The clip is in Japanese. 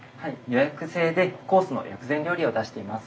予約制でコースの薬膳料理を出しています。